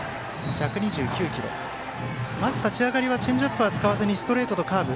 まず、立ち上がりはチェンジアップは使わずにストレートとカーブ。